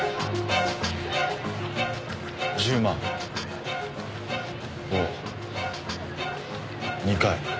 １０万を２回。